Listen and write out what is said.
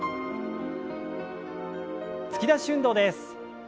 突き出し運動です。